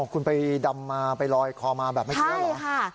คุณไปดำมาไปลอยคอมาแบบไม่เชื่อเหรอ